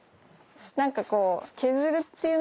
何かこう。